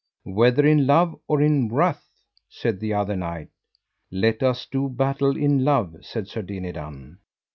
Whether in love or in wrath? said the other knight. Let us do battle in love, said Sir Dinadan.